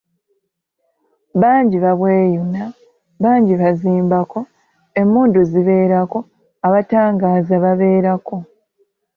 "Bangi babweyuna , bangi bazimbako, emmundu zibeerako, abatangaaza babeerako."